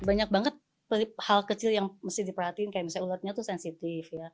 banyak banyak banget hal kecil yang mesti diperhatiin kayak misalnya ulatnya tuh sensitif ya